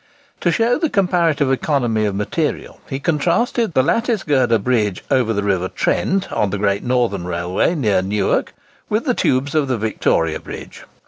To show the comparative economy of material, he contrasted the lattice girder bridge over the river Trent, on the Great Northern Railway near Newark, with the tubes of the Victoria Bridge.